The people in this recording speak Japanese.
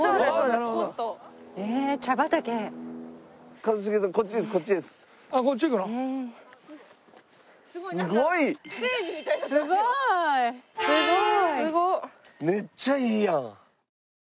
めっちゃいいやん！